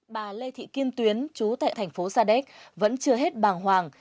bà lê thị kiên tuyến chú tại thành phố sa đét vẫn chưa hết bàng hoàng